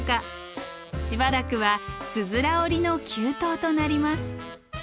しばらくはつづら折りの急登となります。